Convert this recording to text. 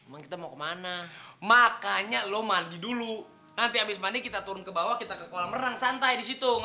eh puasa apaan kayak begitu